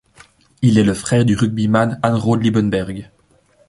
Il est le frère du rugbyman Hanro Liebenberg.